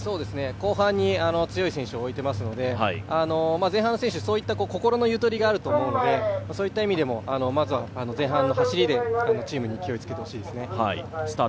後半に強い選手を置いてますので、前半の選手そういった心のゆとりがあると思うので、そういった意味でもまずは前半の走りでチームに勢いつけてほしいですね。